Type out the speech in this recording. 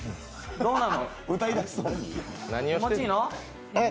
どうなの？